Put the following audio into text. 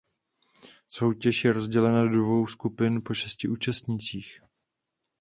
Soutěž je rozdělena do dvou skupin po šesti účastnících.